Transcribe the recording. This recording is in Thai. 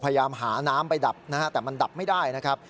พยายามหาน้ำไปดับนะฮะแต่มันดับไม่ได้นะครับ